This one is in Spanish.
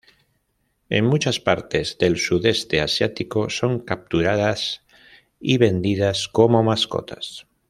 En muchas partes del sudeste asiático son capturadas y vendidas como mascotas.